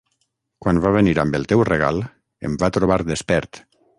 Quan va venir amb el teu regal em va trobar despert.